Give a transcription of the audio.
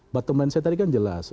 bottom line saya tadi kan jelas